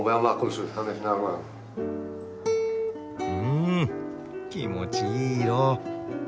ん気持ちいい色。